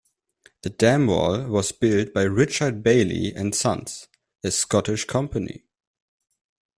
The dam wall was built by Richard Baillie and Sons, a Scottish company.